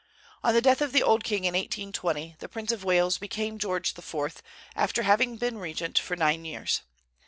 On the death of the old king in 1820, the Prince of Wales became George IV., after having been regent for nine years.